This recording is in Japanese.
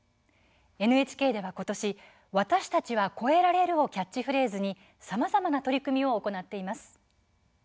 ＮＨＫでは、ことし「私たちは、超えられる。」をキャッチフレーズに、さまざまな取り組みを行っています。